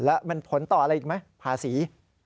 แล้วมันผลต่ออะไรอีกไหมภาษี